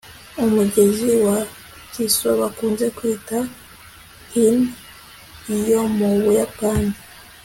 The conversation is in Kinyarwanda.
umugezi wa kiso bakunze kwita rhine yo mu buyapani